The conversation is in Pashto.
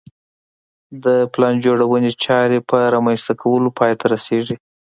د پلان جوړونې چارې په رامنځته کولو پای ته رسېږي.